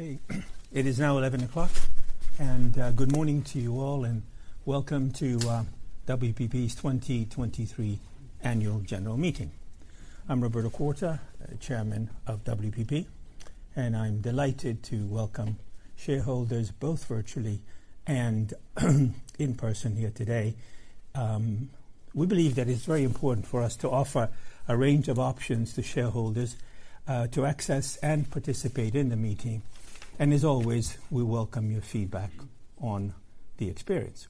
Okay. It is now 11:00 o'clock. Good morning to you all, and welcome to WPP's 2023 annual general meeting. I'm Roberto Quarta, Chairman of WPP, and I'm delighted to welcome shareholders, both virtually and in person here today. We believe that it's very important for us to offer a range of options to shareholders to access and participate in the meeting. As always, we welcome your feedback on the experience.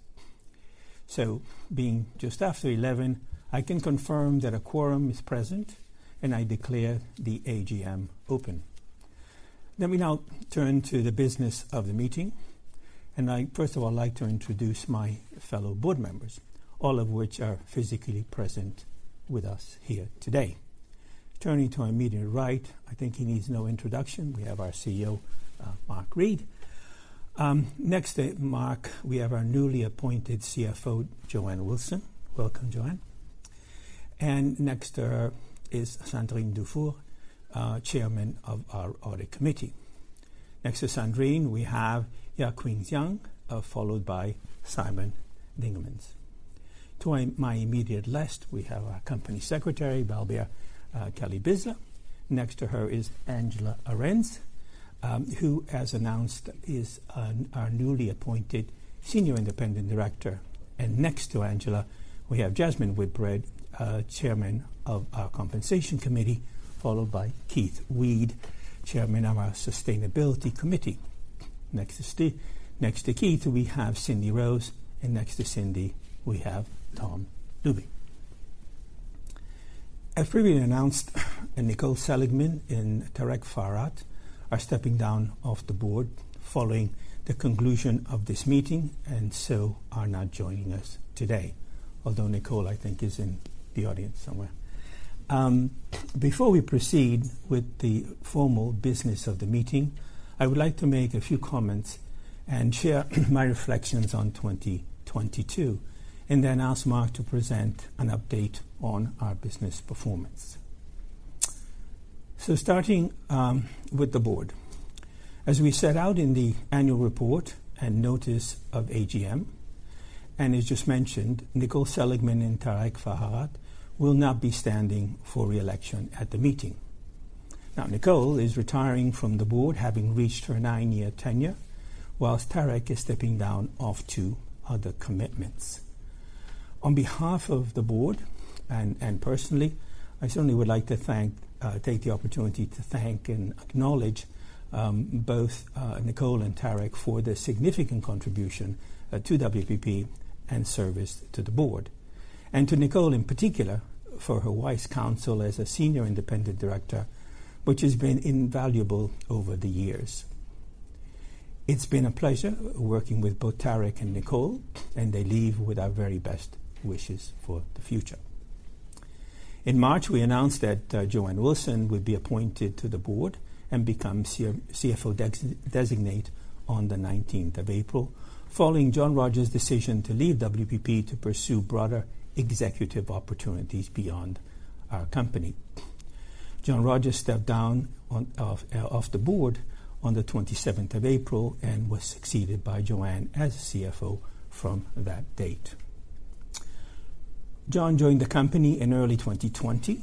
Being just after 11, I can confirm that a quorum is present, and I declare the AGM open. Let me now turn to the business of the meeting. I first of all like to introduce my fellow board members, all of which are physically present with us here today. Turning to my immediate right, I think he needs no introduction. We have our CEO, Mark Read. Next to Mark, we have our newly appointed CFO, Joanne Wilson. Welcome, Joanne. Next is Sandrine Dufour, Chairman of our Audit Committee. Next to Sandrine, we have Ya-Qin Zhang, followed by Simon Dingemans. To my immediate left, we have our Company Secretary, Balbir Kelly-Bisla. Next to her is Angela Ahrendts, who as announced is our newly appointed Senior Independent Director. Next to Angela, we have Jasmine Whitbread, Chairman of our Compensation Committee, followed by Keith Weed, Chairman of our Sustainability Committee. Next to Keith, we have Cindy Rose. Next to Cindy, we have Tom Ilube. As previously announced, Nicole Seligman and Tarek Farahat are stepping down off the board following the conclusion of this meeting are not joining us today. Although Nicole, I think, is in the audience somewhere. Before we proceed with the formal business of the meeting, I would like to make a few comments and share my reflections on 2022, then ask Mark to present an update on our business performance. Starting with the board. As we set out in the annual report and notice of AGM, and as just mentioned, Nicole Seligman and Tarek Farahat will not be standing for reelection at the meeting. Nicole is retiring from the board, having reached her nine-year tenure, while Tarek is stepping down off to other commitments. On behalf of the board and personally, I certainly would like to take the opportunity to thank and acknowledge both Nicole and Tarek for their significant contribution to WPP and service to the board. To Nicole in particular, for her wise counsel as a Senior Independent Director, which has been invaluable over the years. It has been a pleasure working with both Tarek Farahat and Nicole, and they leave with our very best wishes for the future. In March, we announced that Joanne Wilson would be appointed to the board and become CFO Designate on the 19th of April, following John Rogers' decision to leave WPP to pursue broader executive opportunities beyond our company. John Rogers stepped down off the board on the 27th of April and was succeeded by Joanne as CFO from that date. John joined the company in early 2020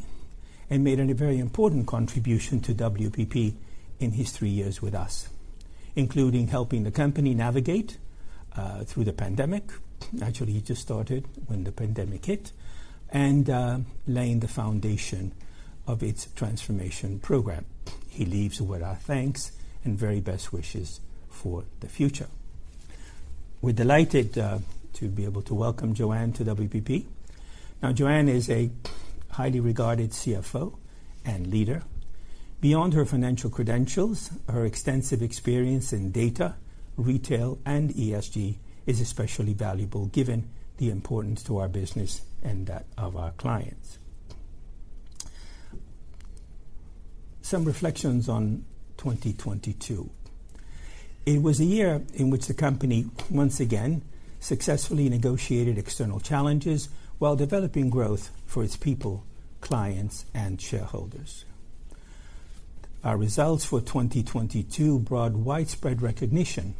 and made a very important contribution to WPP in his three years with us, including helping the company navigate through the pandemic. Actually, he just started when the pandemic hit. Laying the foundation of its transformation program. He leaves with our thanks and very best wishes for the future. We're delighted to be able to welcome Joanne Wilson to WPP. Joanne Wilson is a highly regarded CFO and leader. Beyond her financial credentials, her extensive experience in data, retail, and ESG is especially valuable given the importance to our business and that of our clients. Some reflections on 2022. It was a year in which the company, once again, successfully negotiated external challenges while developing growth for its people, clients, and shareholders. Our results for 2022 brought widespread recognition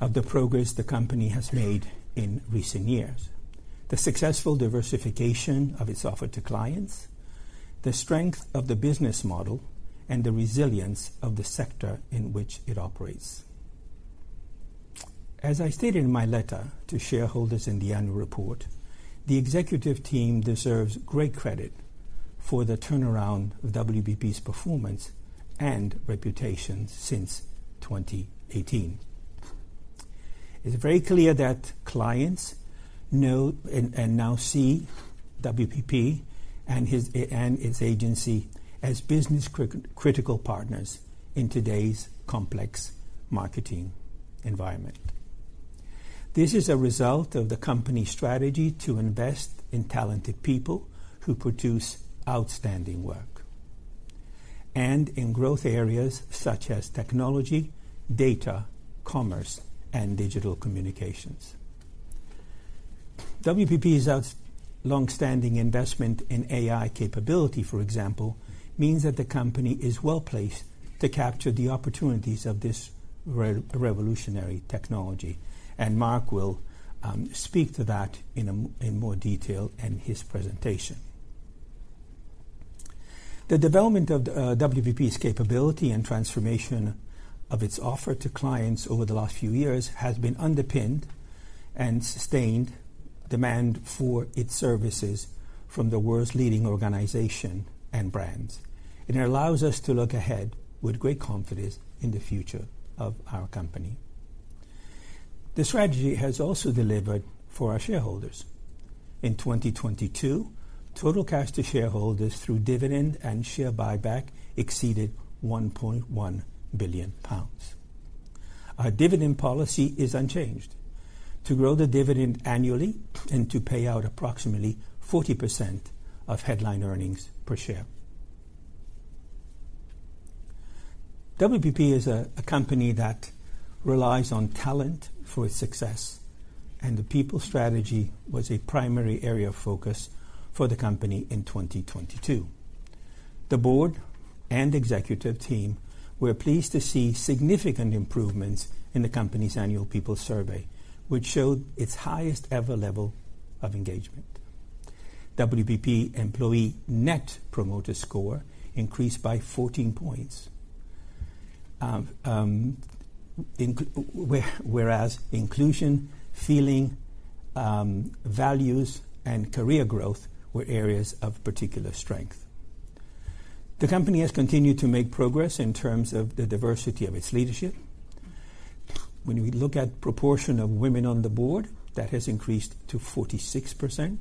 of the progress the company has made in recent years. The successful diversification of its offer to clients, the strength of the business model, and the resilience of the sector in which it operates. As I stated in my letter to shareholders in the annual report, the executive team deserves great credit for the turnaround of WPP's performance and reputation since 2018. It's very clear that clients know and now see WPP and its agency as business critical partners in today's complex marketing environment. This is a result of the company's strategy to invest in talented people who produce outstanding work, and in growth areas such as technology, data, commerce, and digital communications. WPP's longstanding investment in AI capability, for example, means that the company is well-placed to capture the opportunities of this revolutionary technology. Mark will speak to that in more detail in his presentation. The development of WPP's capability and transformation of its offer to clients over the last few years has been underpinned and sustained demand for its services from the world's leading organization and brands. It allows us to look ahead with great confidence in the future of our company. The strategy has also delivered for our shareholders. In 2022, total cash to shareholders through dividend and share buyback exceeded 1.1 billion pounds. Our dividend policy is unchanged. To grow the dividend annually and to pay out approximately 40% of headline earnings per share. WPP is a company that relies on talent for its success, the people strategy was a primary area of focus for the company in 2022. The board and executive team were pleased to see significant improvements in the company's annual people survey, which showed its highest ever level of engagement. WPP employee Net Promoter Score increased by 14 points. Whereas inclusion, feeling, values, and career growth were areas of particular strength. The company has continued to make progress in terms of the diversity of its leadership. We look at proportion of women on the board, that has increased to 46%,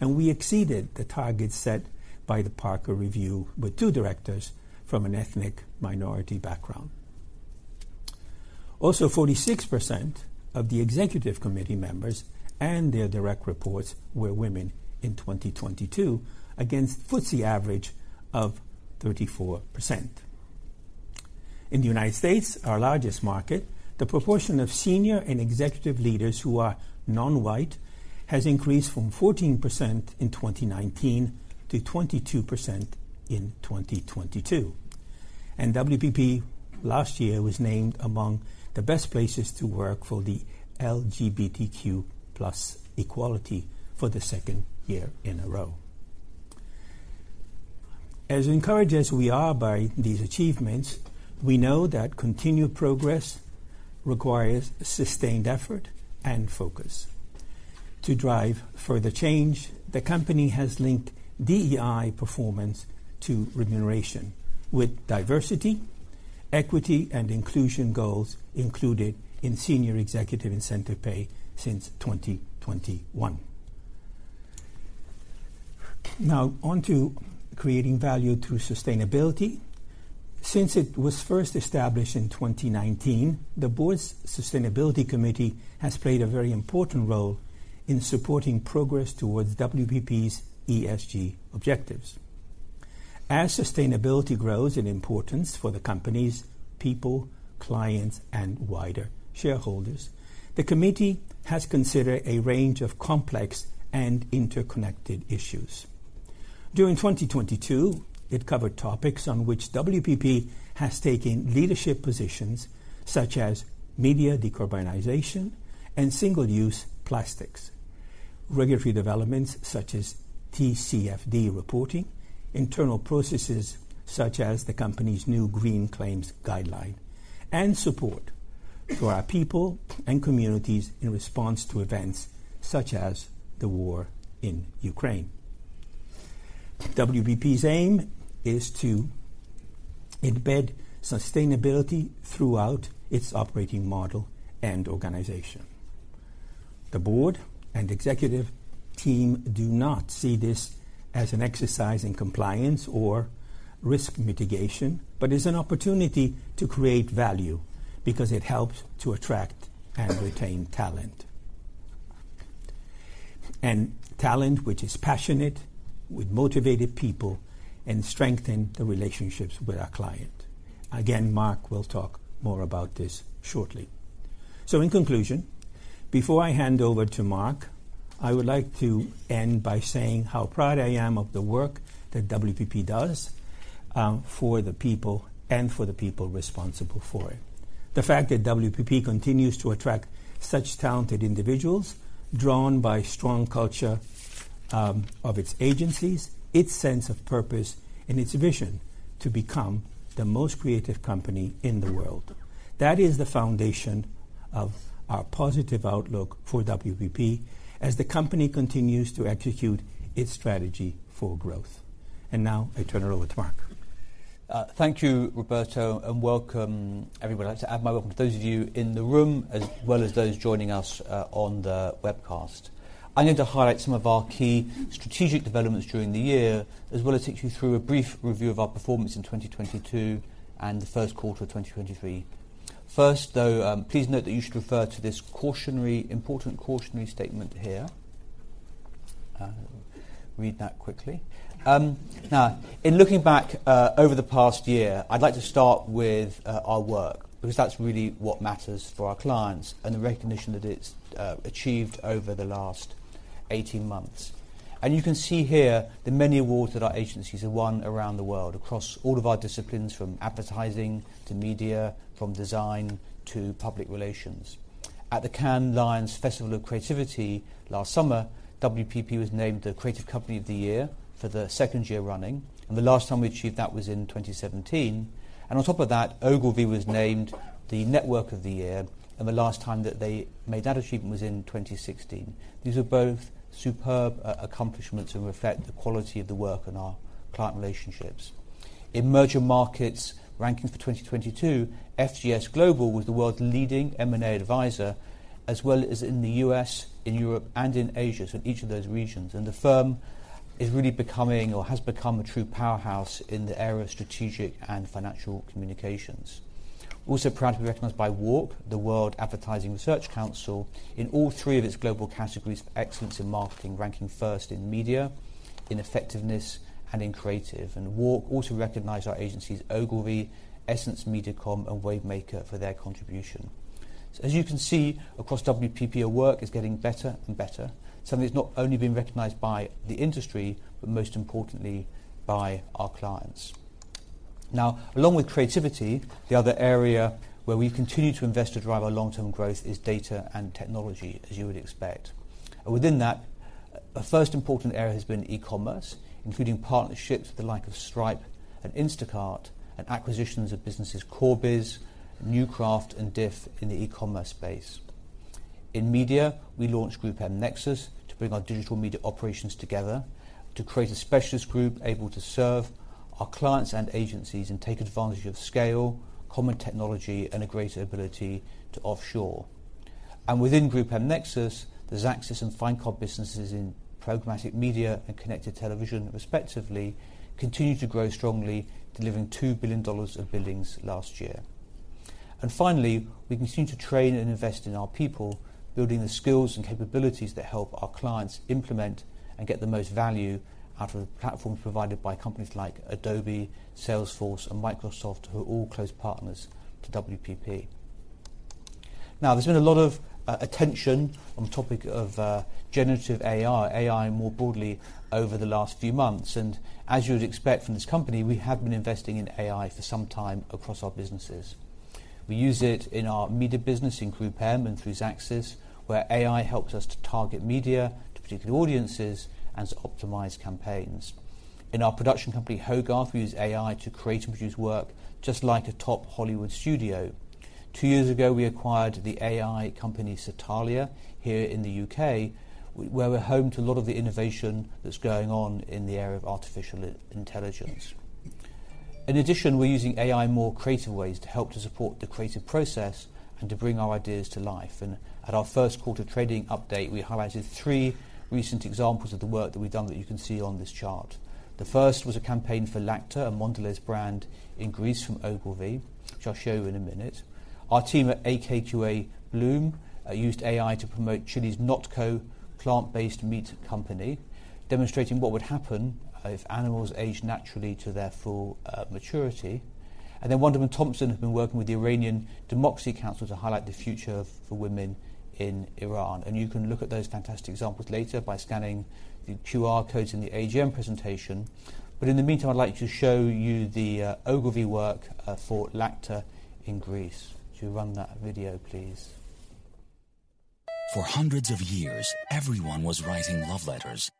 and we exceeded the target set by the Parker Review with two directors from an ethnic minority background. 46% of the executive committee members and their direct reports were women in 2022, against FTSE average of 34%. In the United States, our largest market, the proportion of senior and executive leaders who are non-white has increased from 14% in 2019 to 22% in 2022. WPP last year was named among the best places to work for the LGBTQ+ equality for the second year in a row. As encouraged as we are by these achievements, we know that continued progress requires sustained effort and focus. To drive further change, the company has linked DEI performance to remuneration with diversity, equity, and inclusion goals included in senior executive incentive pay since 2021. Now on to creating value through sustainability. Since it was first established in 2019, the board's sustainability committee has played a very important role in supporting progress towards WPP's ESG objectives. As sustainability grows in importance for the company's people, clients, and wider shareholders, the committee has considered a range of complex and interconnected issues. During 2022, it covered topics on which WPP has taken leadership positions, such as media decarbonization and single-use plastics, regulatory developments such as TCFD reporting, internal processes such as the company's new green claims guideline, and support for our people and communities in response to events such as the war in Ukraine. WPP's aim is to embed sustainability throughout its operating model and organization. The board and executive team do not see this as an exercise in compliance or risk mitigation, but as an opportunity to create value because it helps to attract and retain talent. Talent which is passionate with motivated people and strengthen the relationships with our client. Again, Mark will talk more about this shortly. In conclusion, before I hand over to Mark, I would like to end by saying how proud I am of the work that WPP does for the people and for the people responsible for it. The fact that WPP continues to attract such talented individuals, drawn by strong culture, of its agencies, its sense of purpose, and its vision to become the most creative company in the world. That is the foundation of our positive outlook for WPP as the company continues to execute its strategy for growth. Now I turn it over to Mark. Thank you, Roberto, welcome, everybody. I'd like to add my welcome to those of you in the room, as well as those joining us on the webcast. I'm going to highlight some of our key strategic developments during the year, as well as take you through a brief review of our performance in 2022 and the first quarter of 2023. First, though, please note that you should refer to this important cautionary statement here. Read that quickly. Now in looking back over the past year, I'd like to start with our work because that's really what matters for our clients and the recognition that it's achieved over the last 18 months. You can see here the many awards that our agencies have won around the world across all of our disciplines, from advertising to media, from design to public relations. At the Cannes Lions Festival of Creativity last summer, WPP was named the Creative Company of the Year for the second year running. The last time we achieved that was in 2017. On top of that, Ogilvy was named the Network of the Year. The last time that they made that achievement was in 2016. These are both superb accomplishments and reflect the quality of the work and our client relationships. In Mergermarket's ranking for 2022, FGS Global was the world's leading M&A advisor, as well as in the U.S., in Europe and in Asia, in each of those regions. The firm is really becoming or has become a true powerhouse in the area of strategic and financial communications. Also proud to be recognized by WARC, the World Advertising Research Council, in all three of its global categories for excellence in marketing, ranking first in media, in effectiveness and in creative. WARC also recognized our agencies Ogilvy, EssenceMediacom and Wavemaker for their contribution. As you can see, across WPP our work is getting better and better. Something that's not only been recognized by the industry, but most importantly by our clients. Along with creativity, the other area where we continue to invest to drive our long-term growth is data and technology, as you would expect. Within that, a first important area has been e-commerce, including partnerships with the like of Stripe and Instacart and acquisitions of businesses Corebiz, Newcraft and Diff in the e-commerce space. In media, we launched GroupM Nexus to bring our digital media operations together to create a specialist group able to serve our clients and agencies and take advantage of scale, common technology and a greater ability to offshore. Within GroupM Nexus, the Xaxis and Finecast businesses in programmatic media and connected television respectively continue to grow strongly, delivering $2 billion of billings last year. Finally, we continue to train and invest in our people, building the skills and capabilities that help our clients implement and get the most value out of platforms provided by companies like Adobe, Salesforce and Microsoft, who are all close partners to WPP. Now, there's been a lot of attention on the topic of generative AI more broadly over the last few months, and as you would expect from this company, we have been investing in AI for some time across our businesses. We use it in our media business in GroupM and through Xaxis, where AI helps us to target media to particular audiences and to optimize campaigns. In our production company, Hogarth, we use AI to create and produce work just like a top Hollywood studio. Two years ago, we acquired the AI company Satalia here in the U.K., where we're home to a lot of the innovation that's going on in the area of artificial intelligence. In addition, we're using AI in more creative ways to help to support the creative process and to bring our ideas to life. At our first quarter trading update, we highlighted three recent examples of the work that we've done that you can see on this chart. The first was a campaign for Lacta, a Mondelēz brand in Greece from Ogilvy, which I'll show you in a minute. Our team at AKQA Bloom used AI to promote Chile's NotCo plant-based meat company, demonstrating what would happen if animals aged naturally to their full maturity. Wunderman Thompson have been working with the Iran Democracy Council to highlight the future for women in Iran. You can look at those fantastic examples later by scanning the QR codes in the AGM presentation. In the meantime, I'd like to show you the Ogilvy work for Lacta in Greece. Could you run that video, please? For hundreds of years, everyone was writing love letters.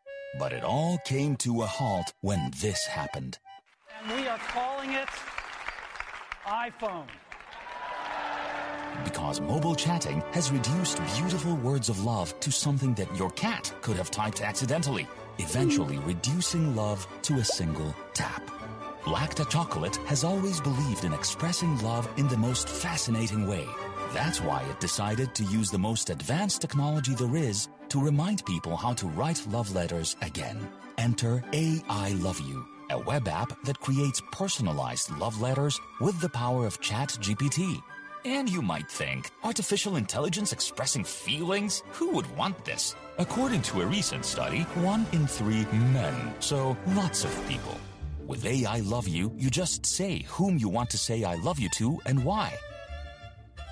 It all came to a halt when this happened. We are calling it iPhone. Because mobile chatting has reduced beautiful words of love to something that your cat could have typed accidentally, eventually reducing love to a single tap. Lacta Chocolate has always believed in expressing love in the most fascinating way. That's why it decided to use the most advanced technology there is to remind people how to write love letters again. Enter AI Love You, a web app that creates personalized love letters with the power of ChatGPT. You might think, "Artificial intelligence expressing feelings? Who would want this?" According to a recent study, one in three men, so lots of people. With AI Love You, you just say whom you want to say "I love you" to and why.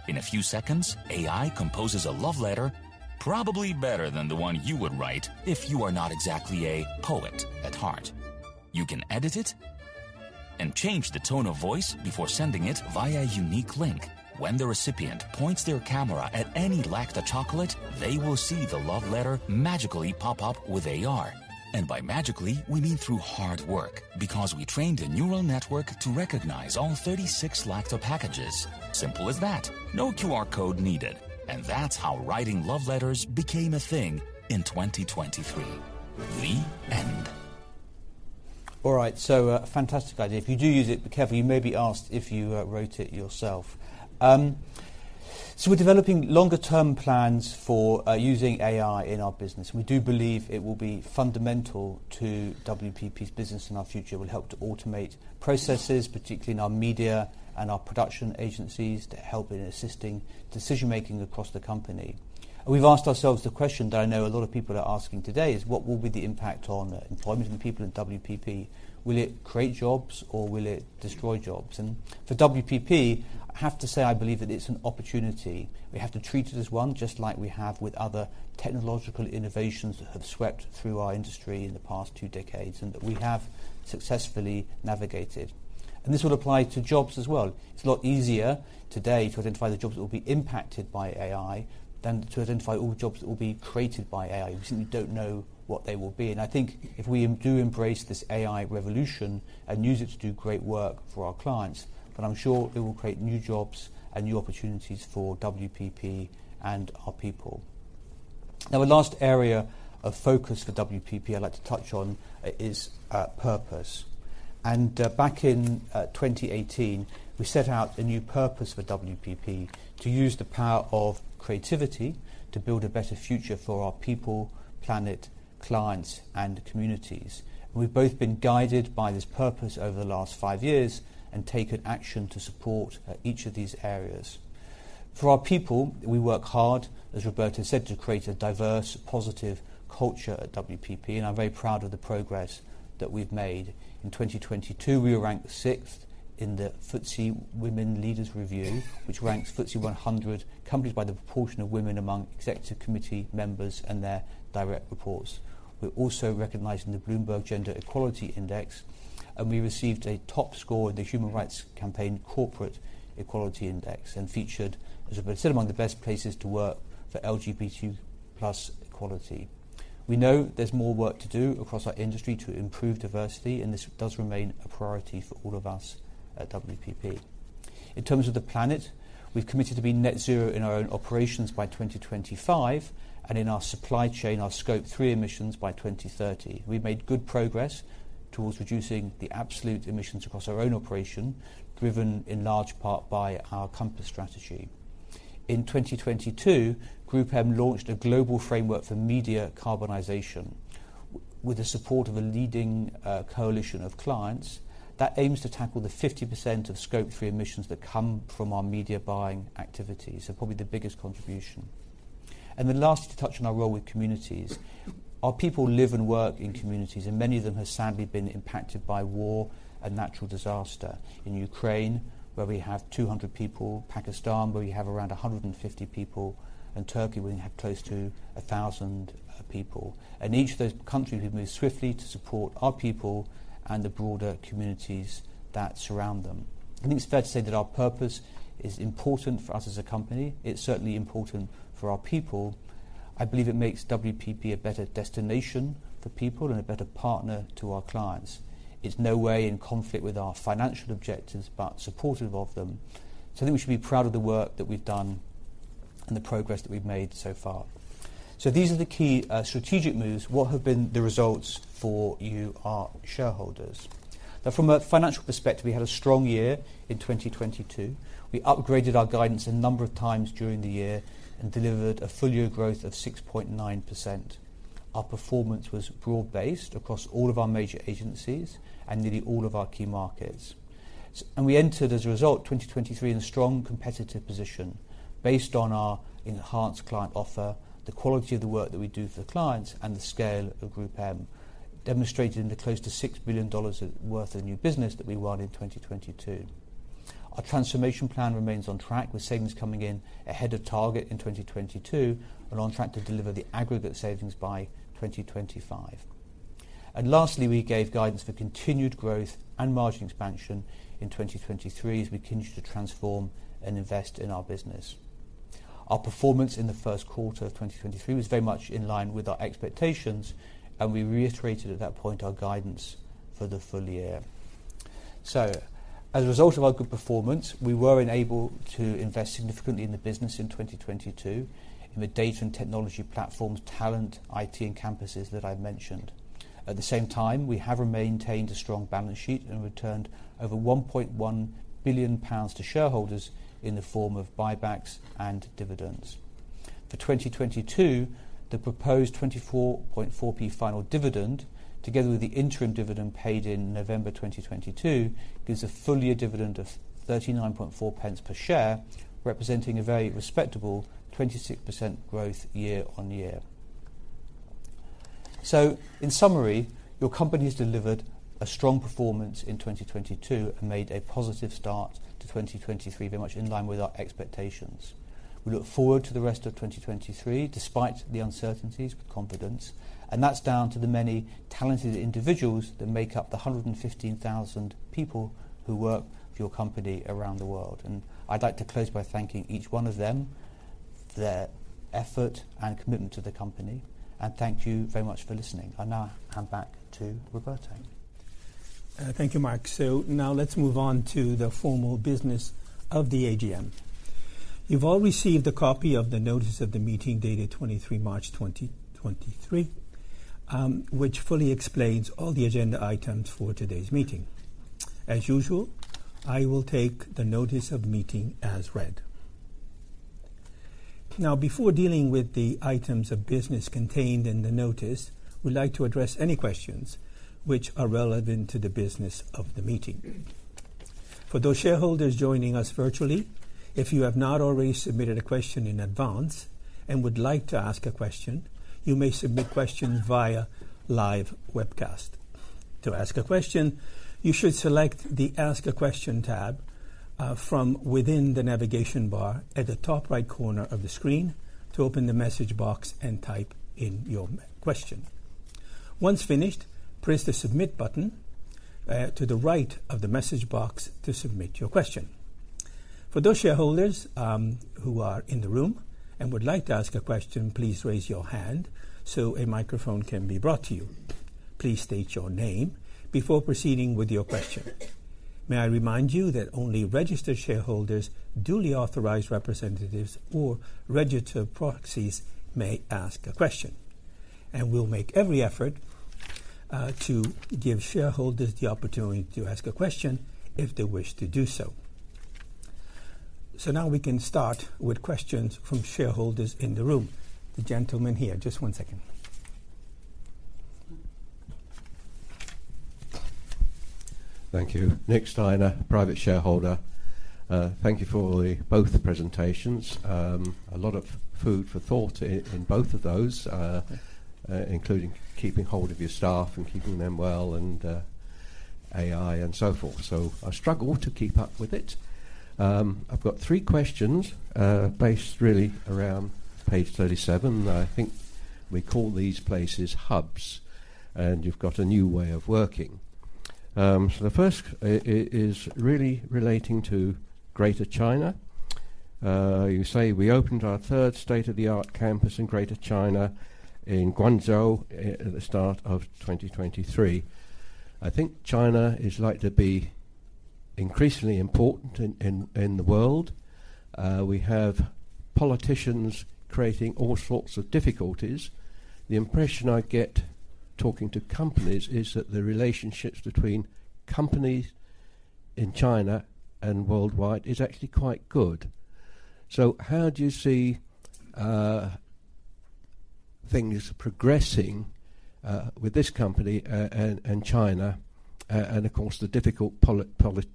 In a few seconds, AI composes a love letter probably better than the one you would write if you are not exactly a poet at heart. You can edit it and change the tone of voice before sending it via a unique link. When the recipient points their camera at any Lacta chocolate, they will see the love letter magically pop up with AR. By magically, we mean through hard work because we trained a neural network to recognize all 36 Lacta packages. Simple as that. No QR code needed. That's how writing love letters became a thing in 2023. The end. All right, a fantastic idea. If you do use it, be careful. You may be asked if you wrote it yourself. We're developing longer term plans for using AI in our business. We do believe it will be fundamental to WPP's business in our future. It will help to automate processes, particularly in our media and our production agencies to help in assisting decision-making across the company. We've asked ourselves the question that I know a lot of people are asking today is, what will be the impact on employment and people in WPP? Will it create jobs or will it destroy jobs? For WPP, I have to say I believe that it's an opportunity. We have to treat it as one, just like we have with other technological innovations that have swept through our industry in the past two decades, and that we have successfully navigated. This will apply to jobs as well. It's a lot easier today to identify the jobs that will be impacted by AI than to identify all the jobs that will be created by AI. Obviously, we don't know what they will be. I think if we do embrace this AI revolution and use it to do great work for our clients, then I'm sure it will create new jobs and new opportunities for WPP and our people. Now, the last area of focus for WPP I'd like to touch on, is purpose. Back in 2018, we set out a new purpose for WPP: to use the power of creativity to build a better future for our people, planet, clients, and communities. We've both been guided by this purpose over the last five years and taken action to support each of these areas. For our people, we work hard, as Roberto said, to create a diverse, positive culture at WPP, and I'm very proud of the progress that we've made. In 2022, we were ranked 6th in the FTSE Women Leaders Review, which ranks FTSE 100 companies by the proportion of women among executive committee members and their direct reports. We're also recognized in the Bloomberg Gender-Equality Index, and we received a top score at the Human Rights Campaign Corporate Equality Index and featured, as Roberto said, among the Best Places to Work for LGBTQ+ Equality. We know there's more work to do across our industry to improve diversity, and this does remain a priority for all of us at WPP. In terms of the planet, we've committed to be net zero in our own operations by 2025, and in our supply chain, our Scope three emissions by 2030. We've made good progress towards reducing the absolute emissions across our own operation, driven in large part by our Compass strategy. In 2022, GroupM launched a global framework for media decarbonization with the support of a leading coalition of clients that aims to tackle the 50% of Scope three emissions that come from our media buying activities, probably the biggest contribution. Lastly, to touch on our role with communities. Our people live and work in communities, many of them have sadly been impacted by war and natural disaster. In Ukraine, where we have 200 people, Pakistan, where we have around 150 people, and Turkey, where we have close to 1,000 people. In each of those countries, we've moved swiftly to support our people and the broader communities that surround them. I think it's fair to say that our purpose is important for us as a company. It's certainly important for our people. I believe it makes WPP a better destination for people and a better partner to our clients. It's no way in conflict with our financial objectives, but supportive of them. I think we should be proud of the work that we've done and the progress that we've made so far. These are the key strategic moves. What have been the results for you, our shareholders? From a financial perspective, we had a strong year in 2022. We upgraded our guidance a number of times during the year and delivered a full year growth of 6.9%. Our performance was broad-based across all of our major agencies and nearly all of our key markets. We entered, as a result, 2023 in a strong competitive position based on our enhanced client offer, the quality of the work that we do for the clients, and the scale of GroupM, demonstrated in the close to $6 billion worth of new business that we won in 2022. Our transformation plan remains on track, with savings coming in ahead of target in 2022. We're on track to deliver the aggregate savings by 2025. Lastly, we gave guidance for continued growth and margin expansion in 2023 as we continue to transform and invest in our business. Our performance in the 1st quarter of 2023 was very much in line with our expectations, and we reiterated at that point our guidance for the full year. As a result of our good performance, we were enabled to invest significantly in the business in 2022 in the data and technology platforms, talent, IT, and campuses that I've mentioned. At the same time, we have maintained a strong balance sheet and returned over 1.1 billion pounds to shareholders in the form of buybacks and dividends. For 2022, the proposed 0.244 final dividend, together with the interim dividend paid in November 2022, gives a full year dividend of 0.394 per share, representing a very respectable 26% growth year-on-year. In summary, your company has delivered a strong performance in 2022 and made a positive start to 2023, very much in line with our expectations. We look forward to the rest of 2023, despite the uncertainties with confidence, and that's down to the many talented individuals that make up the 115,000 people who work for your company around the world. I'd like to close by thanking each one of them, their effort and commitment to the company, and thank you very much for listening. I now hand back to Roberto. Thank you, Mark. Now let's move on to the formal business of the AGM. You've all received a copy of the notice of the meeting dated 23 March 2023, which fully explains all the agenda items for today's meeting. As usual, I will take the notice of meeting as read. Now, before dealing with the items of business contained in the notice, we'd like to address any questions which are relevant to the business of the meeting. For those shareholders joining us virtually, if you have not already submitted a question in advance and would like to ask a question, you may submit questions via live webcast. To ask a question, you should select the Ask a Question tab from within the navigation bar at the top right corner of the screen to open the message box and type in your question. Once finished, press the Submit button to the right of the message box to submit your question. For those shareholders who are in the room and would like to ask a question, please raise your hand so a microphone can be brought to you. Please state your name before proceeding with your question. May I remind you that only registered shareholders, duly authorized representatives or registered proxies may ask a question. We'll make every effort to give shareholders the opportunity to ask a question if they wish to do so. Now we can start with questions from shareholders in the room. The gentleman here. Just one second. Thank you. Nick Steiner, private shareholder. Thank you for the both presentations. A lot of food for thought in both of those, including keeping hold of your staff and keeping them well and AI and so forth. I struggle to keep up with it. I've got three questions based really around page 37. I think we call these places hubs, and you've got a new way of working. The first is really relating to Greater China. You say we opened our third state-of-the-art campus in Greater China in Guangzhou at the start of 2023. I think China is like to be increasingly important in the world. We have politicians creating all sorts of difficulties. The impression I get talking to companies is that the relationships between companies in China and worldwide is actually quite good. How do you see things progressing with this company and China and of course, the difficult politics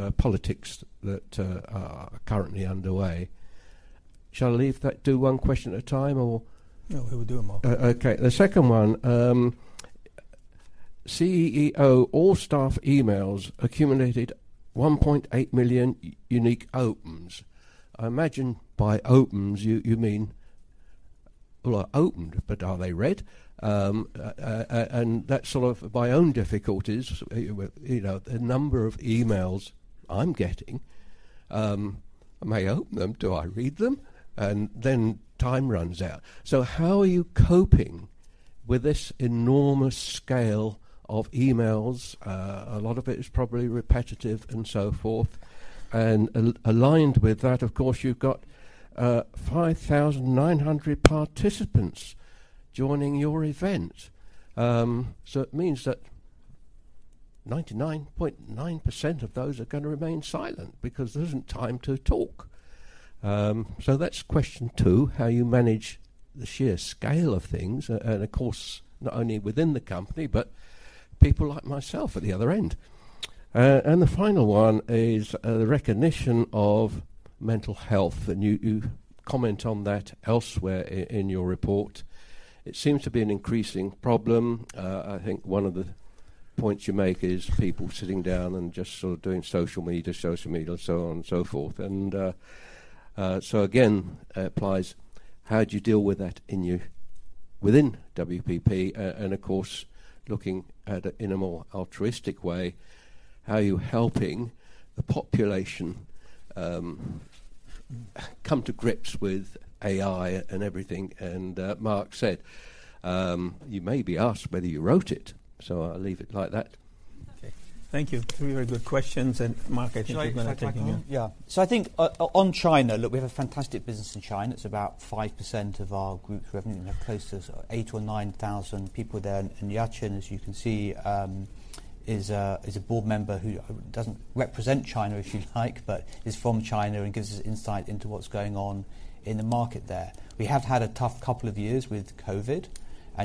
that are currently underway? Shall I leave that do one question at a time or? No, we'll do them all. Okay. The second one, CEO all staff emails accumulated 1.8 million unique opens. I imagine by opens you mean, well, are opened but are they read? And that's sort of my own difficulties with, you know, the number of emails I'm getting. I may open them, do I read them? Time runs out. How are you coping with this enormous scale of emails? A lot of it is probably repetitive and so forth. Aligned with that, of course, you've got 5,900 participants joining your event. It means that 99.9% of those are gonna remain silent because there isn't time to talk. That's question two, how you manage the sheer scale of things and of course not only within the company, but people like myself at the other end. The final one is the recognition of mental health, and you comment on that elsewhere in your report. It seems to be an increasing problem. I think one of the points you make is people sitting down and just sort of doing social media, so on and so forth. So again, applies how do you deal with that within WPP? Of course, looking at it in a more altruistic way, how are you helping the population come to grips with AI and everything? Mark said, you may be asked whether you wrote it, so I'll leave it like that. Okay. Thank you. Three very good questions. Mark, I think you might have taken them. Shall I kick off? Yeah. I think on China, look, we have a fantastic business in China. It's about 5% of our group's revenue and have close to 8,000 or 9,000 people there. Ya-Qin, as you can see, is a board member who doesn't represent China, if you'd like, but is from China and gives us insight into what's going on in the market there. We have had a tough couple of years with COVID.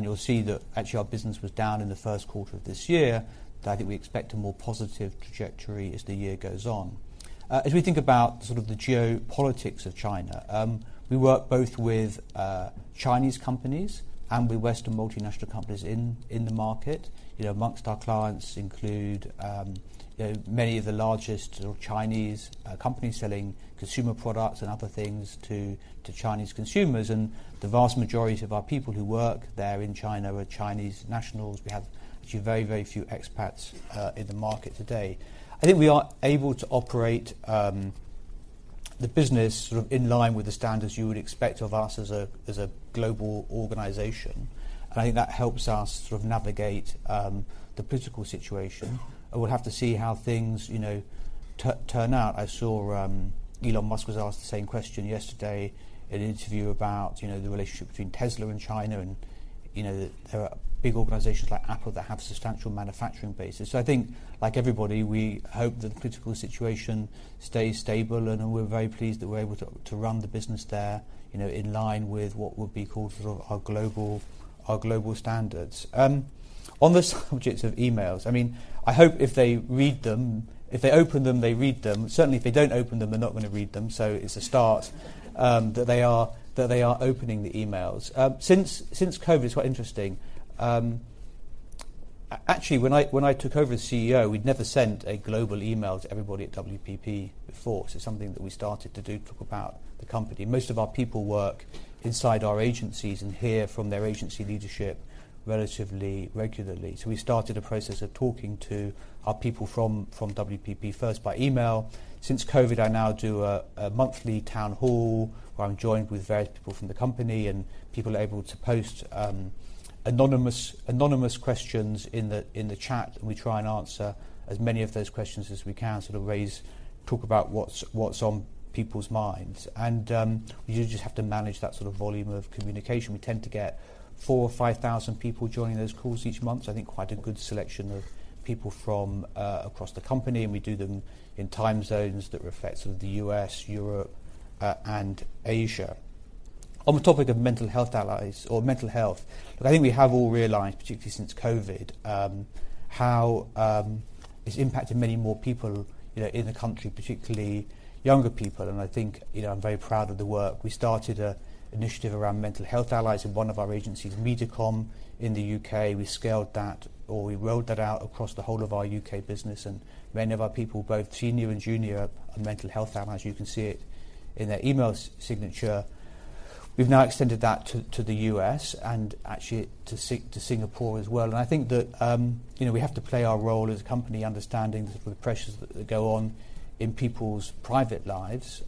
You'll see that actually our business was down in the first quarter of this year. I think we expect a more positive trajectory as the year goes on. As we think about sort of the geopolitics of China, we work both with Chinese companies and with Western multinational companies in the market. You know, amongst our clients include, you know, many of the largest Chinese companies selling consumer products and other things to Chinese consumers. The vast majority of our people who work there in China are Chinese nationals. We have actually very few expats in the market today. I think we are able to operate the business sort of in line with the standards you would expect of us as a global organization. I think that helps us sort of navigate the political situation, and we'll have to see how things, you know, turn out. I saw Elon Musk was asked the same question yesterday in an interview about, you know, the relationship between Tesla and China. You know, there are big organizations like Apple that have substantial manufacturing bases. I think, like everybody, we hope the political situation stays stable, and we're very pleased that we're able to run the business there, you know, in line with what would be called sort of our global, our global standards. On the subject of emails, I mean, I hope if they open them, they read them. Certainly, if they don't open them, they're not gonna read them. It's a start that they are opening the emails. Since COVID, it's quite interesting, actually, when I took over as CEO, we'd never sent a global email to everybody at WPP before. It's something that we started to do, talk about the company. Most of our people work inside our agencies and hear from their agency leadership relatively regularly. We started a process of talking to our people from WPP first by email. Since COVID, I now do a monthly town hall, where I'm joined with various people from the company, and people are able to post anonymous questions in the chat, and we try and answer as many of those questions as we can, sort of raise, talk about what's on people's minds. You just have to manage that sort of volume of communication. We tend to get 4,000 or 5,000 people joining those calls each month, so I think quite a good selection of people from across the company, and we do them in time zones that reflect sort of the U.S., Europe, and Asia. On the topic of mental health allies or mental health, look, I think we have all realized, particularly since COVID, how it's impacted many more people, you know, in the country, particularly younger people. I think, you know, I'm very proud of the work. We started an initiative around mental health allies in one of our agencies, MediaCom, in the U.K. We scaled that, or we rolled that out across the whole of our U.K. business, and many of our people, both senior and junior, are mental health allies. You can see it in their email signature. We've now extended that to the U.S. and actually to Singapore as well. I think that, you know, we have to play our role as a company understanding the pressures that go on in people's private lives,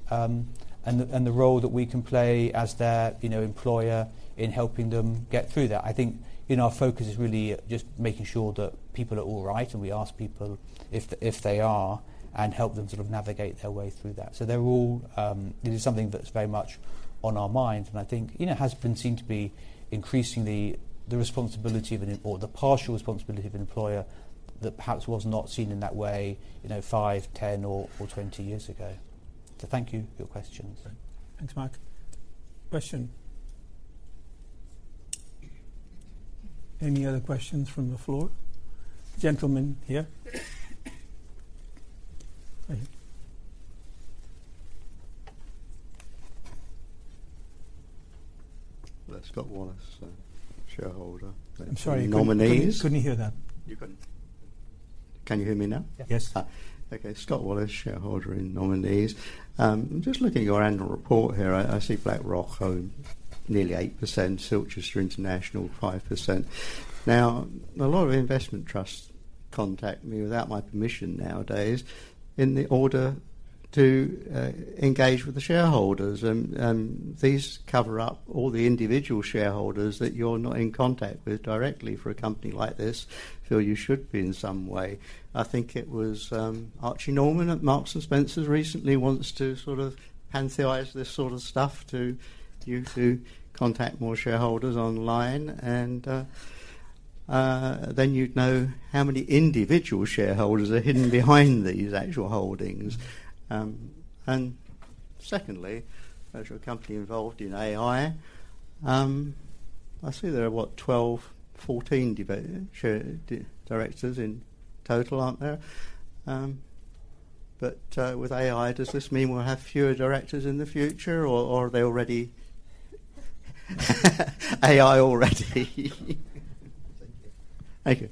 and the role that we can play as their, you know, employer in helping them get through that. I think, you know, our focus is really just making sure that people are all right, and we ask people if they are and help them sort of navigate their way through that. They're all. It is something that's very much on our minds, and I think, you know, it has been seen to be increasingly the responsibility of an employer or the partial responsibility of an employer that perhaps was not seen in that way, you know, five, 10 or 20 years ago. Thank you for your questions. Thanks, Mark. Question. Any other questions from the floor? Gentleman here. Hi. Scott Wallace, shareholder. I'm sorry. Nominees. Couldn't hear that. You couldn't? Can you hear me now? Yes. Okay. Scott Wallace, shareholder in Nominees. Just looking at your annual report here, I see BlackRock own nearly 8%, Silchester International 5%. A lot of investment trusts contact me without my permission nowadays in the order to engage with the shareholders and these cover up all the individual shareholders that you're not in contact with directly for a company like this, though you should be in some way. I think it was Archie Norman at Marks & Spencer recently wants to sort of pantheize this sort of stuff to get you to contact more shareholders online, then you'd know how many individual shareholders are hidden behind these actual holdings. Secondly, as you're a company involved in AI, I see there are what? 12, 14 directors in total, aren't there? With AI, does this mean we'll have fewer directors in the future or are they already AI already? Thank you.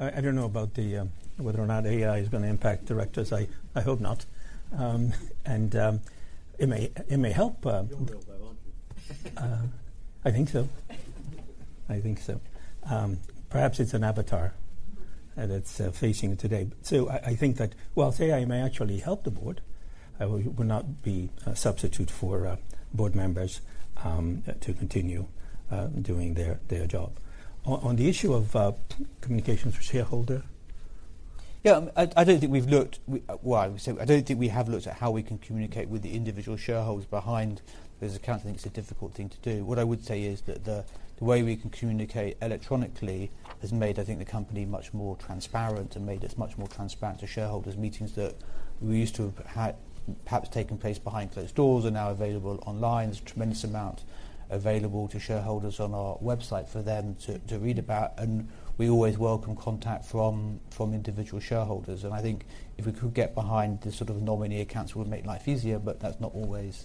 I don't know about the whether or not AI is gonna impact directors. I hope not. It may help. You're a robot, aren't you? I think so. I think so. Perhaps it's an avatar that's facing today. I think that, while AI may actually help the board, it will not be a substitute for board members to continue doing their job. On the issue of communication for shareholder. Yeah. Well, I would say, I don't think we have looked at how we can communicate with the individual shareholders behind. As a company, I think it's a difficult thing to do. What I would say is that the way we can communicate electronically has made, I think, the company much more transparent and made us much more transparent to shareholders. Meetings that we used to have had perhaps taken place behind closed doors are now available online. There's a tremendous amount available to shareholders on our website for them to read about, and we always welcome contact from individual shareholders. I think if we could get behind the sort of nominee accounts, it would make life easier, but that's not always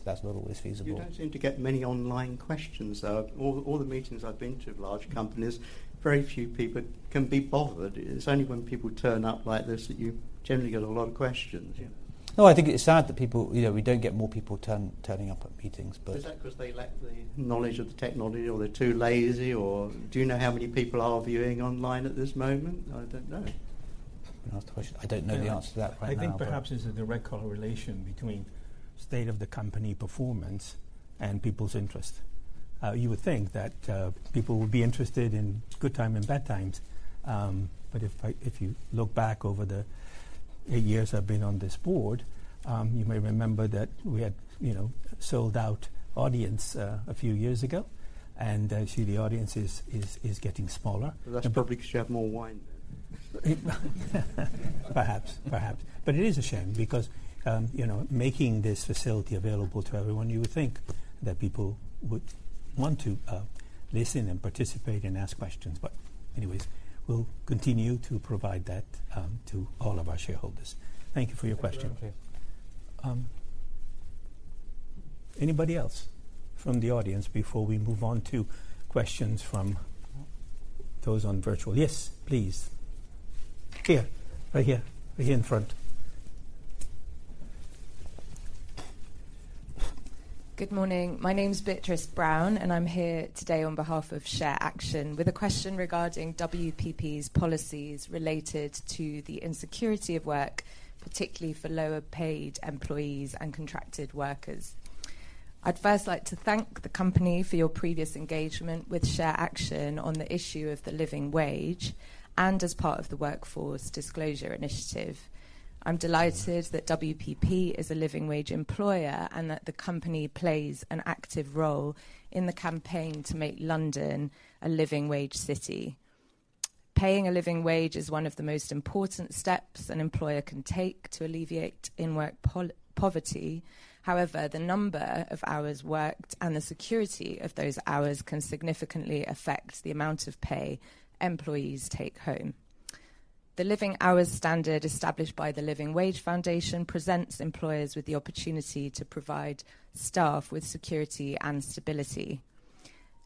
feasible. You don't seem to get many online questions, though. All the meetings I've been to of large companies, very few people can be bothered. It's only when people turn up like this that you generally get a lot of questions, you know. I think it's sad that people, you know, we don't get more people turning up at meetings. Is that 'cause they lack the knowledge of the technology or they're too lazy or do you know how many people are viewing online at this moment? I don't know. Can I ask the question? I don't know the answer to that right now. I think perhaps it's a direct correlation between state of the company performance and people's interest. You would think that people would be interested in good time and bad times. If you look back over the eight years I've been on this board. You may remember that we had, you know, sold out audience a few years ago, and actually, the audience is getting smaller. That's probably 'cause you have more wine then. Perhaps. Perhaps. It is a shame because, you know, making this facility available to everyone, you would think that people would want to listen and participate and ask questions. Anyways, we'll continue to provide that to all of our shareholders. Thank you for your question. Thank you very much. Anybody else from the audience before we move on to questions from those on virtual? Yes, please. Here. Right here. Right here in front. Good morning. My name's Beatrice Brown, I'm here today on behalf of ShareAction with a question regarding WPP's policies related to the insecurity of work, particularly for lower paid employees and contracted workers. I'd first like to thank the company for your previous engagement with ShareAction on the issue of the living wage and as part of the Workforce Disclosure Initiative. I'm delighted that WPP is a living wage employer, the company plays an active role in the campaign to make London a living wage city. Paying a living wage is one of the most important steps an employer can take to alleviate in-work poverty. However, the number of hours worked and the security of those hours can significantly affect the amount of pay employees take home. The Living Hours standard established by the Living Wage Foundation presents employers with the opportunity to provide staff with security and stability.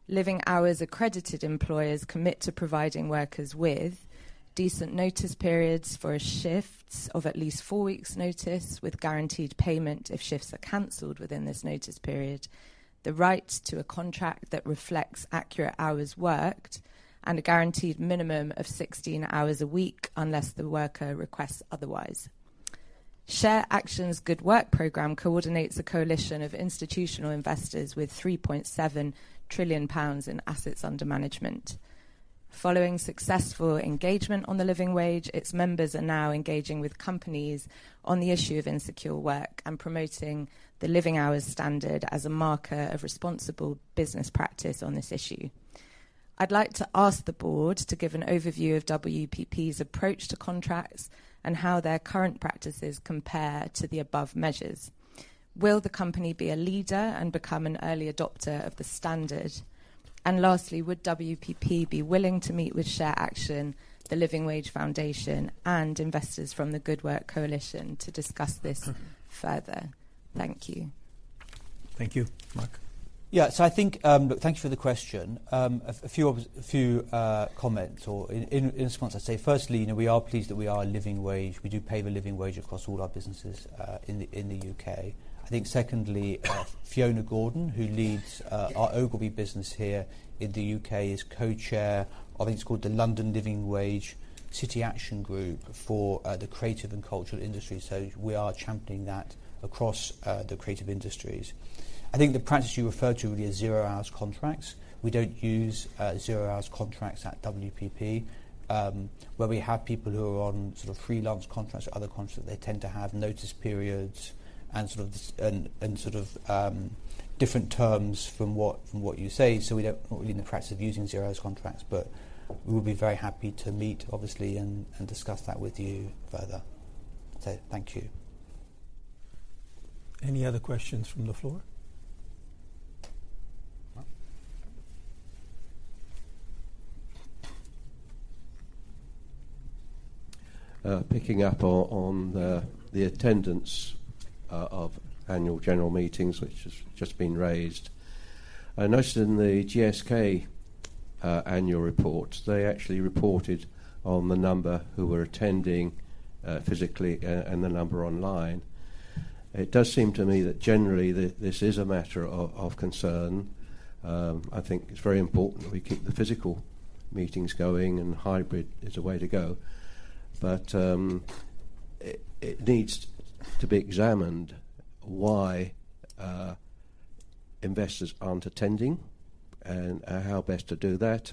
Living Hours accredited employers commit to providing workers with decent notice periods for shifts of at least four weeks notice with guaranteed payment if shifts are canceled within this notice period, the right to a contract that reflects accurate hours worked, and a guaranteed minimum of 16 hours a week unless the worker requests otherwise. ShareAction's Good Work program coordinates a coalition of institutional investors with 3.7 trillion pounds in assets under management. Following successful engagement on the living wage, its members are now engaging with companies on the issue of insecure work and promoting the Living Hours standard as a marker of responsible business practice on this issue. I'd like to ask the board to give an overview of WPP's approach to contracts and how their current practices compare to the above measures. Will the company be a leader and become an early adopter of the standard? Lastly, would WPP be willing to meet with ShareAction, the Living Wage Foundation, and investors from the Good Work coalition to discuss this further? Thank you. Thank you. Mark? Thank you for the question. A few comments or in response, I'd say firstly, you know, we are pleased that we are a Living Wage. We do pay the Living Wage across all our businesses in the U.K. I think secondly, Fiona Gordon, who leads our Ogilvy business here in the U.K., is co-chair of, I think it's called the Creative and Cultural Industries Action Group for the creative and cultural industry. We are championing that across the creative industries. I think the practice you refer to would be a zero-hours contracts. We don't use zero-hours contracts at WPP. Where we have people who are on sort of freelance contracts or other contracts, they tend to have notice periods and sort of, and sort of, different terms from what, from what you say. We're in the practice of using zero-hours contracts, but we'll be very happy to meet, obviously, and discuss that with you further. Thank you. Any other questions from the floor? Mark. Picking up on the attendance of annual general meetings, which has just been raised. I noticed in the GSK annual report, they actually reported on the number who were attending physically and the number online. It does seem to me that generally this is a matter of concern. I think it's very important that we keep the physical meetings going and hybrid is the way to go. It needs to be examined why investors aren't attending and how best to do that.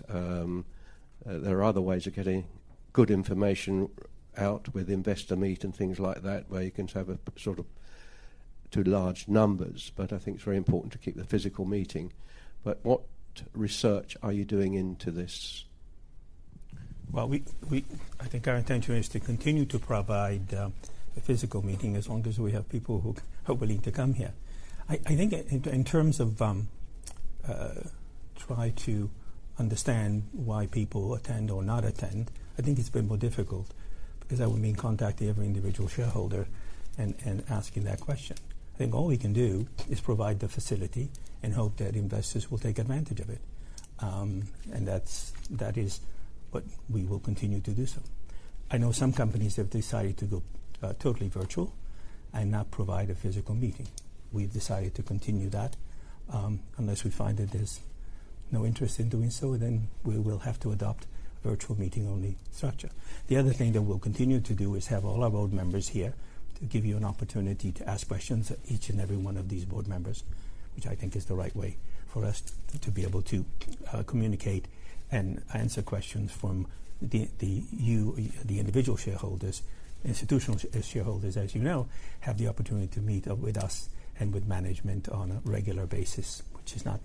There are other ways of getting good information out with investor meet and things like that, where you can have a sort of to large numbers. I think it's very important to keep the physical meeting. What research are you doing into this? I think our intention is to continue to provide a physical meeting as long as we have people who are willing to come here. I think in terms of try to understand why people attend or not attend, I think it's been more difficult because that would mean contacting every individual shareholder and asking that question. I think all we can do is provide the facility and hope that investors will take advantage of it. That is what we will continue to do so. I know some companies have decided to go totally virtual and not provide a physical meeting. We've decided to continue that unless we find that there's no interest in doing so, we will have to adopt virtual meeting only structure. The other thing that we'll continue to do is have all our board members here to give you an opportunity to ask questions, each and every one of these board members, which I think is the right way for us to be able to communicate and answer questions from the, you, the individual shareholders. Institutional shareholders, as you know, have the opportunity to meet up with us and with management on a regular basis, which is not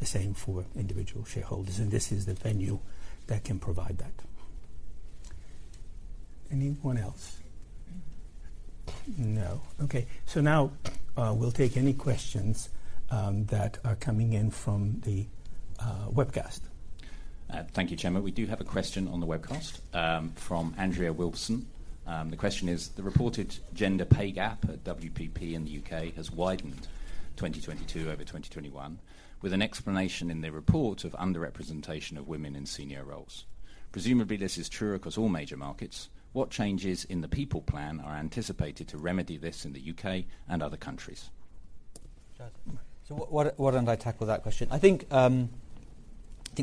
the same for individual shareholders, and this is the venue that can provide that. Anyone else? No. Okay. Now, we'll take any questions that are coming in from the webcast. Thank you, Chairman. We do have a question on the webcast from Andrea Wilson. The question is: The reported gender pay gap at WPP in the UK has widened 2022 over 2021, with an explanation in the report of underrepresentation of women in senior roles. Presumably, this is true across all major markets. What changes in the people plan are anticipated to remedy this in the UK and other countries? Why don't I tackle that question. I think the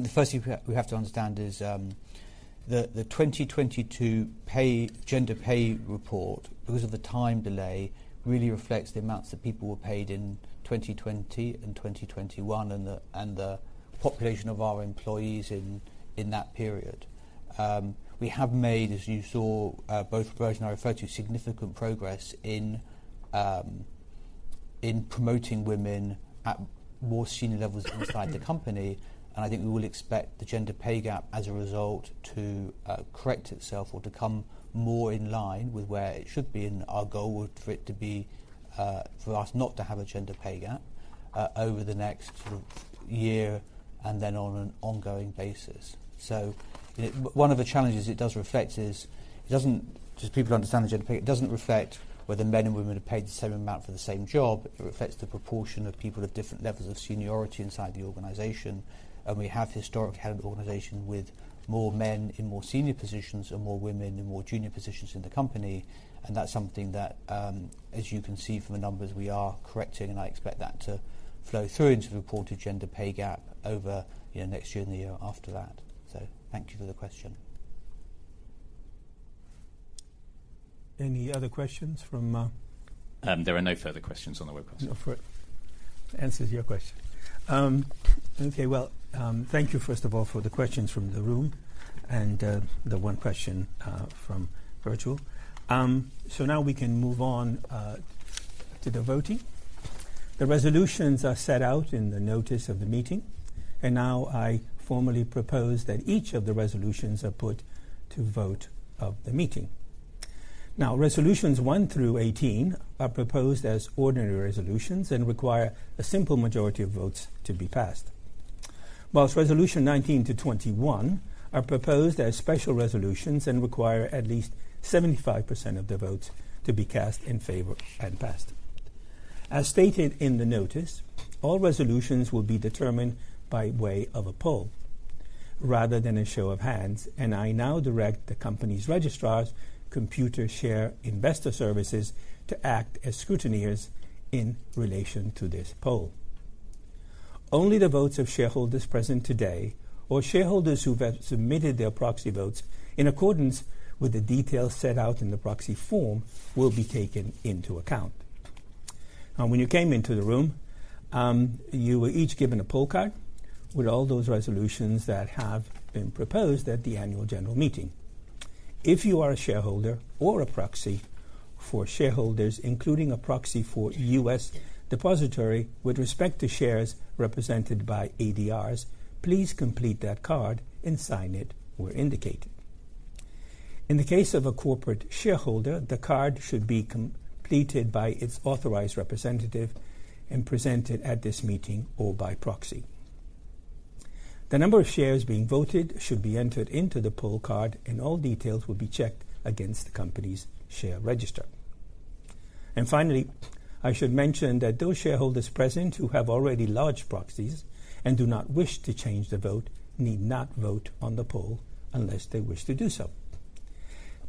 first thing we have to understand is the 2022 gender pay report, because of the time delay, really reflects the amounts that people were paid in 2020 and 2021 and the population of our employees in that period. We have made, as you saw, both approach and I refer to significant progress in promoting women at more senior levels inside the company. I think we will expect the gender pay gap as a result to correct itself or to come more in line with where it should be, and our goal for it to be for us not to have a gender pay gap over the next year and then on an ongoing basis. One of the challenges it does reflect is. Just people understand the gender pay. It doesn't reflect whether men and women are paid the same amount for the same job. It reflects the proportion of people of different levels of seniority inside the organization. We have historically had an organization with more men in more senior positions and more women in more junior positions in the company. That's something that, as you can see from the numbers, we are correcting, and I expect that to flow through into the reported gender pay gap over next year and the year after that. Thank you for the question. Any other questions from? There are no further questions on the webcast. No further. Answers your question. Okay. Well, thank you, first of all, for the questions from the room and the one question from virtual. Now we can move on to the voting. The resolutions are set out in the notice of the meeting. I formally propose that each of the resolutions are put to vote of the meeting. Resolutions 1 through 18 are proposed as ordinary resolutions and require a simple majority of votes to be passed. Whilst Resolution 19 to 21 are proposed as special resolutions and require at least 75% of the votes to be cast in favor and passed. As stated in the notice, all resolutions will be determined by way of a poll rather than a show of hands. I now direct the company's registrar's Computershare Investor Services PLC to act as scrutineers in relation to this poll. Only the votes of shareholders present today or shareholders who have submitted their proxy votes in accordance with the details set out in the proxy form will be taken into account. When you came into the room, you were each given a poll card with all those resolutions that have been proposed at the annual general meeting. If you are a shareholder or a proxy for shareholders, including a proxy for US Depositary, with respect to shares represented by ADRs, please complete that card and sign it where indicated. In the case of a corporate shareholder, the card should be completed by its authorized representative and presented at this meeting or by proxy. The number of shares being voted should be entered into the poll card, and all details will be checked against the company's share register. Finally, I should mention that those shareholders present who have already lodged proxies and do not wish to change the vote need not vote on the poll unless they wish to do so.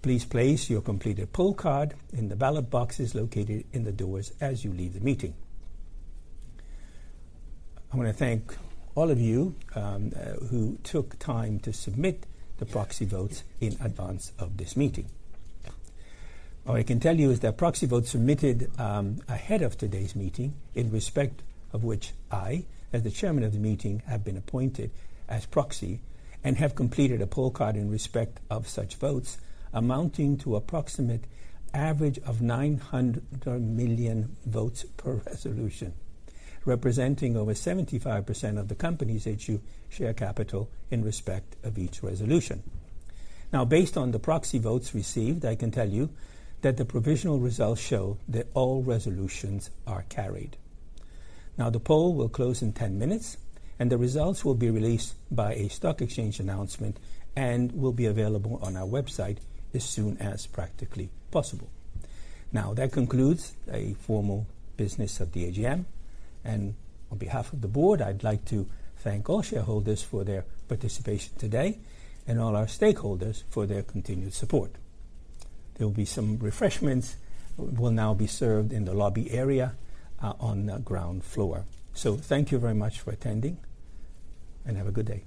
Please place your completed poll card in the ballot boxes located in the doors as you leave the meeting. I wanna thank all of you who took time to submit the proxy votes in advance of this meeting. What I can tell you is that proxy votes submitted ahead of today's meeting, in respect of which I, as the Chairman of the meeting, have been appointed as proxy and have completed a poll card in respect of such votes amounting to approximate average of 900 million votes per resolution, representing over 75% of the company's issue share capital in respect of each resolution. Based on the proxy votes received, I can tell you that the provisional results show that all resolutions are carried. The poll will close in 10 minutes, and the results will be released by a stock exchange announcement and will be available on our website as soon as practically possible. That concludes a formal business of the AGM. On behalf of the board, I'd like to thank all shareholders for their participation today and all our stakeholders for their continued support. There will be some refreshments, will now be served in the lobby area on the ground floor. Thank you very much for attending, and have a good day.